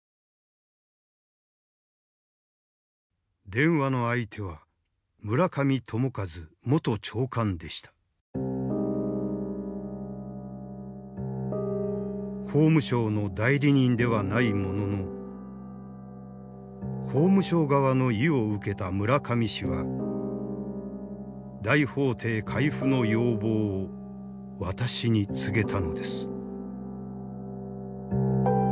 電話の相手は村上朝一元長官でした法務省の代理人ではないものの法務省側の意を受けた村上氏は大法廷回付の要望を私に告げたのです